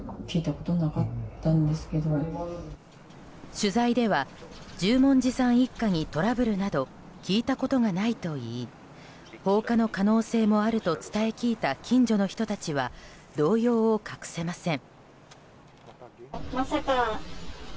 取材では十文字さん一家にトラブルなど聞いたことがないといい放火の可能性もあると伝え聞いた近所の人たちは動揺を隠せません。